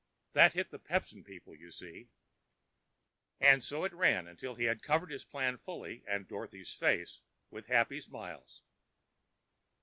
That hits the Pepsin people, you see——" And so it ran—until he had covered his plan fully, and Dorothy's face with happy smiles.